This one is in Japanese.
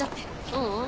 ううん。